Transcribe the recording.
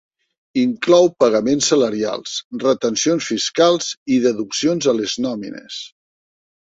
Inclou pagaments salarials, retencions fiscals i deduccions a les nòmines.